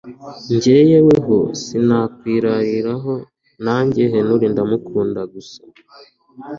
Njye yewe sinakwirariraho nanjye Henry ndamukunda gusa